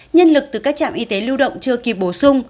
nhân lực từ các trạm y tế lưu động chưa kịp bổ sung